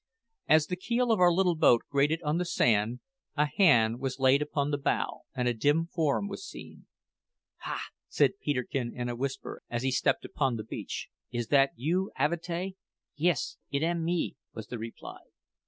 As the keel of our little boat grated on the sand, a hand was laid upon the bow, and a dim form was seen. "Ha!" said Peterkin in a whisper as he stepped upon the beach; "is that you, Avatea?" "Yis, it am me," was the reply.